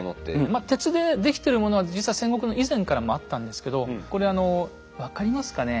まあ鉄で出来てるものは実は戦国の以前からもあったんですけどこれはあの分かりますかね。